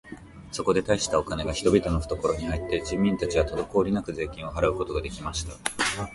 そこで大したお金が人々のふところに入って、人民たちはとどこおりなく税金を払うことが出来ました。